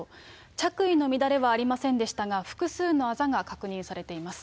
着衣の乱れはありませんでしたが、複数のあざが確認されています。